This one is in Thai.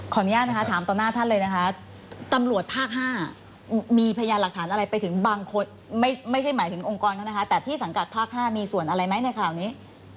อนุญาตนะคะถามต่อหน้าท่านเลยนะคะตำรวจภาค๕มีพยานหลักฐานอะไรไปถึงบางคนไม่ใช่หมายถึงองค์กรเขานะคะแต่ที่สังกัดภาค๕มีส่วนอะไรไหมในข่าวนี้